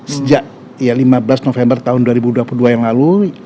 sejak lima belas november tahun dua ribu dua puluh dua yang lalu